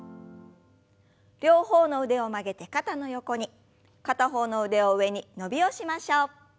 両方の腕を曲げて肩の横に片方の腕を上に伸びをしましょう。